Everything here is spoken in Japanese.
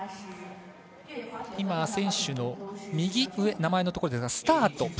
今、選手の名前のところスタート